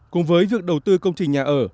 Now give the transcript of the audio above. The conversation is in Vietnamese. cùng với việc đầu tư công trình nhà ở